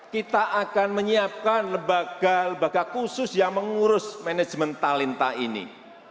kita akan menyiapkan lembaga lembaga khusus yang mengurus manajemen talenta ini